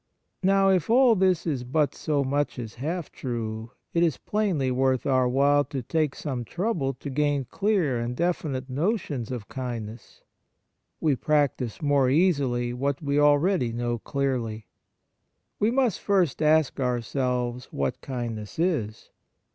Now, if all this is but so much as half true, it is plainly worth our On Kindness in General 19 while to take some trouble to gain clear and definite notions of kindness. We practise more easily what we already know clearly. We must first ask ourselves what kind ness is.